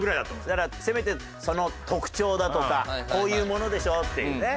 だからせめてその特徴だとかこういうものでしょっていうね。